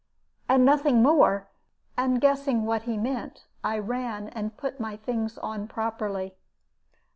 and nothing more. And guessing what he meant, I ran and put my things on properly.